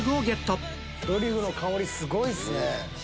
トリュフの香りすごいっすね！